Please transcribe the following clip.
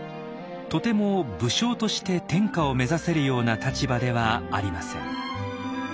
とても武将として天下を目指せるような立場ではありません。